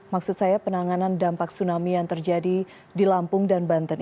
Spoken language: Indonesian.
maksud saya penanganan dampak tsunami yang terjadi di lampung dan banten